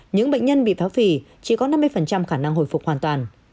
những bệnh nhân bị phá phỉ chỉ có năm mươi khả năng hồi phục hoàn toàn